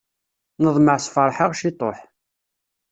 Neḍmeɛ sferḥ-aɣ ciṭuḥ.